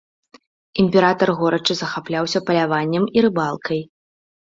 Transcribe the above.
Імператар горача захапляўся паляваннем і рыбалкай.